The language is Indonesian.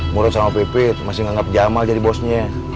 murad sama pipit masih nganggep jamal jadi bosnya